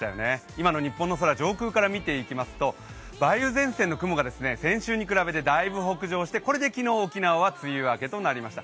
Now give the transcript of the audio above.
今の日本の空、上空から見ていきますと、梅雨前線の雲が先週に比べてだいぶ北上してこれで昨日、沖縄は梅雨明けとなりました。